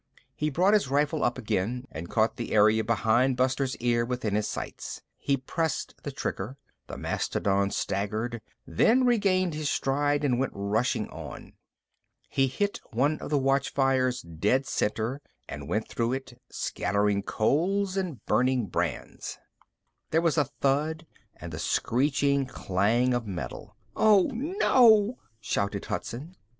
He brought his rifle up again and caught the area behind Buster's ear within his sights. He pressed the trigger. The mastodon staggered, then regained his stride and went rushing on. He hit one of the watchfires dead center and went through it, scattering coals and burning brands. Then there was a thud and the screeching clang of metal. "Oh, no!" shouted Hudson.